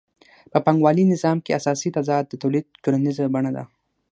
په پانګوالي نظام کې اساسي تضاد د تولید ټولنیزه بڼه ده